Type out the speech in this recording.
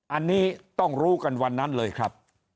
อันนี้ต้องรู้กันวันนั้นเลยครับ